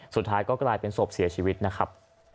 สุดท้ายก็กลายเป็นศพเสียชีวิตนะครับ